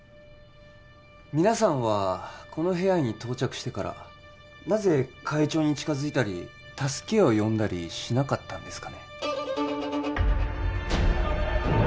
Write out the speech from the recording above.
皆さんはこの部屋に到着してからなぜ会長に近づいたり助けを呼んだりしなかったんですかね？